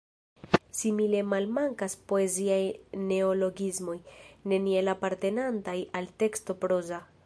Simile malmankas poeziaj neologismoj, neniel apartenantaj al teksto proza.